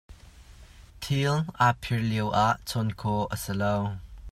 Thil a phiar lioah chawnh khawh a si lo.